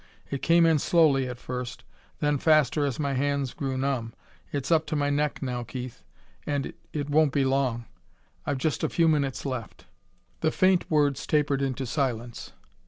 It came in slowly at first, then faster as my hands grew numb. It's up to my neck now, Keith ... and it won't be long! I've just a few minutes left...." The faint words tapered into silence.